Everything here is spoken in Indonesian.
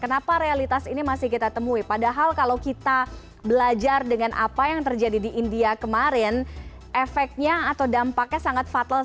kenapa realitas ini masih kita temui padahal kalau kita belajar dengan apa yang terjadi di india kemarin efeknya atau dampaknya sangat fatal